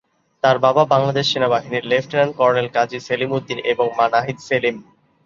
তার বাবা বাংলাদেশ সেনাবাহিনীর লেফটেন্যান্ট কর্নেল কাজী সেলিম উদ্দিন এবং মা নাহিদ সেলিম।